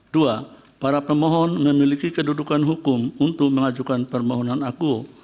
dua para pemohon memiliki kedudukan hukum untuk mengajukan permohonan akuo